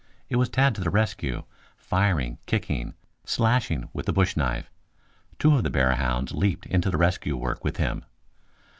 It was Tad to the rescue, firing, kicking, slashing with the bush knife. Two of the bear hounds leaped into the rescue work with him.